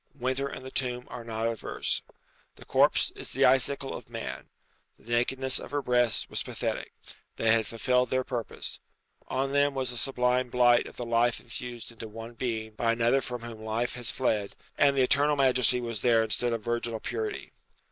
Winter and the tomb are not adverse. The corpse is the icicle of man. The nakedness of her breasts was pathetic. They had fulfilled their purpose. On them was a sublime blight of the life infused into one being by another from whom life has fled, and maternal majesty was there instead of virginal purity.